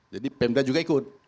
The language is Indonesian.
jadi pemda juga ikut